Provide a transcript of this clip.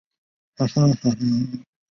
女主角在学校听说有女生在校外卖淫。